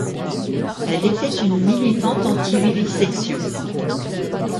Elle était une militante anti-vivisection.